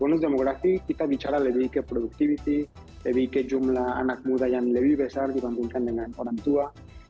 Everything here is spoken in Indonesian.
bonus demografi kita bicara lebih ke produktivity lebih ke jumlah anak muda yang lebih besar dibandingkan dengan orang tua